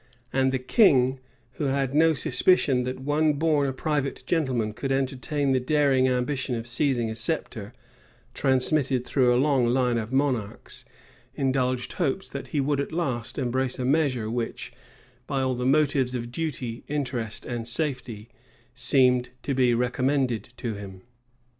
And the king, who had no suspicion that one born a private gentleman could entertain the daring ambition of seizing a sceptre, transmitted through a long line of monarchs, indulged hopes that he would at last embrace a measure which, by all the motives of duty, interest, and safety, seemed to be recommended to him.